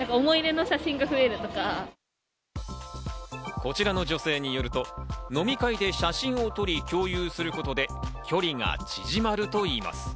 こちらの女性によると、飲み会で写真を撮り、共有することで距離が縮まるといいます。